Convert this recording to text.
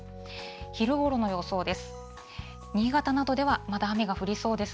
昼ごろの予想です。